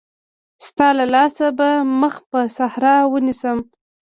ستا له لاسه به مخ پر صحرا ونيسم.